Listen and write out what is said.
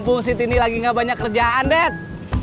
mumpung si tindik lagi gak banyak kerjaan det